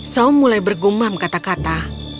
som mulai bergumam kata kata